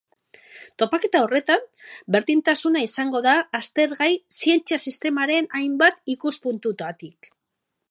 Topaketa horretan, berdintasuna izango da aztergai zientzia-sistemaren hainbat ikuspuntutatik.